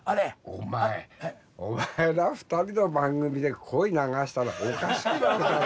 お前お前ら２人の番組で「恋」流したらおかしいだろ。